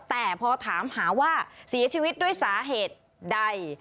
แต่พอถามหาว่าเสียชีวิตด้วยสาเหตุใด